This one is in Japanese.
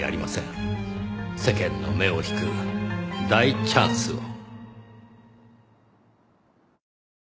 世間の目を引く大チャンスを。